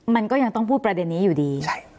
มันก็ยังต้องพูดประเด็นนี้อยู่ดี